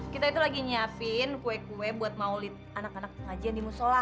kita itu lagi nyiapin kue kue buat maulid anak anak pengajian di musola